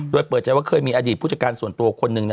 โดยเปิดใจว่าเคยมีอดีตผู้จัดการส่วนตัวคนหนึ่ง